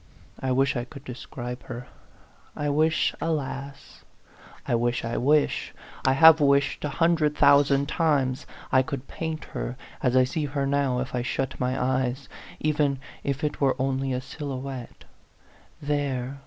I wish I could describe her. I wish, alas ! I wish, I wish, I have wished a hundred thousand times I could paint her, as I see her now if I shut my eyes even if it were only a silhouette. There